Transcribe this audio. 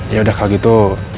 yaudah kalau gitu